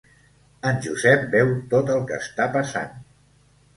En Josep veu tot el que està passant.